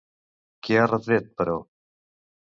Què ha retret, però?